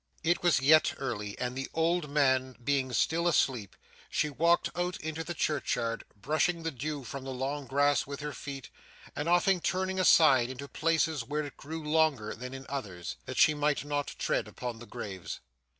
It was yet early, and the old man being still asleep, she walked out into the churchyard, brushing the dew from the long grass with her feet, and often turning aside into places where it grew longer than in others, that she might not tread upon the graves.